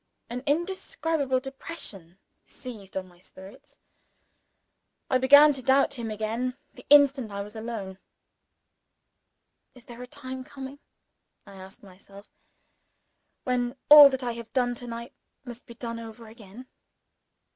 An indescribable depression seized on my spirits. I began to doubt him again, the instant I was alone. "Is there a time coming," I asked myself, "when all that I have done to night must be done over again?"